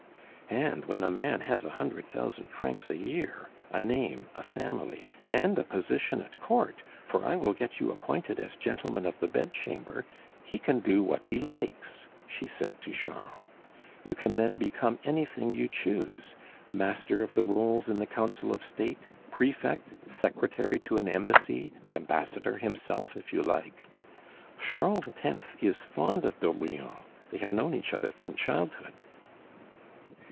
"And when a man has a hundred thousand francs a year, a name, a family, and a position at court, for I will get you appointed as gentleman of the bedchamber, he can do what he likes," she said to Charles. "You can then become anything you choose, master of the rolls in the council of State, prefect, secretary to an embassy, the ambassador himself, if you like. Charles X. is fond of d'Aubrion; they have known each other from childhood."